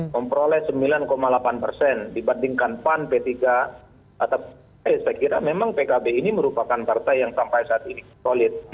memperoleh sembilan delapan persen dibandingkan pan p tiga atau saya kira memang pkb ini merupakan partai yang sampai saat ini solid